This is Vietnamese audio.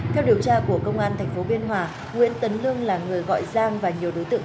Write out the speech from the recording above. theo điều tra của công an tp biên hòa nguyễn tấn lương là người gọi giang và nhiều đối tượng